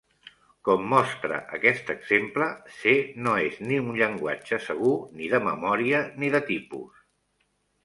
Com mostra aquest exemple, C no és ni un llenguatge segur ni de memòria ni de tipus.